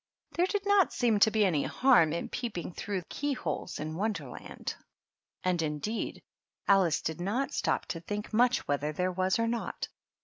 There did not seem to be any harm in peeping through key holes in Wonderland ; and, indeed, Alice did not stop to think much whether there was or not.